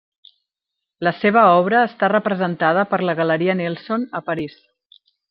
La seva obra està representada per la Galeria Nelson a París.